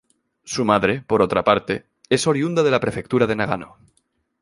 Su madre, por otra parte, es oriunda de la prefectura de Nagano.